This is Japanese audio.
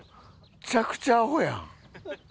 むちゃくちゃアホやん。